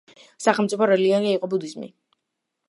სახელმწიფო რელიგია იყო ბუდიზმი.